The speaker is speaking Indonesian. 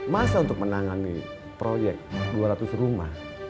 masa untuk menangani proyek dua ratus rumah